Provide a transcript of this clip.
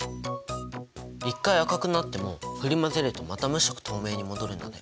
一回赤くなっても振り混ぜるとまた無色透明に戻るんだね。